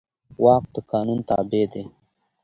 واک د قانون تابع دی.